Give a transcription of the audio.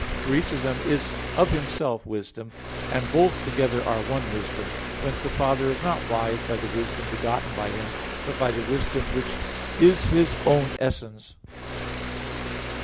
For each of them is of Himself Wisdom; and both together are one Wisdom. Whence the Father is not wise by the wisdom begotten by Him, but by the wisdom which is His own essence.